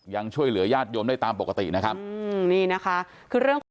ยังช่วยเหลือญาติโยมได้ตามปกตินะครับอืมนี่นะคะคือเรื่องของ